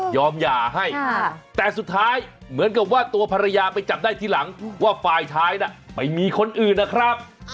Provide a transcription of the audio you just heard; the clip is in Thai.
หย่าให้แต่สุดท้ายเหมือนกับว่าตัวภรรยาไปจับได้ทีหลังว่าฝ่ายชายน่ะไปมีคนอื่นนะครับ